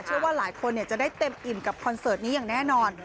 เชื่อว่าหลายคนจะได้เต็มอิ่มกับคอนเสิร์ตนี้อย่างแน่นอน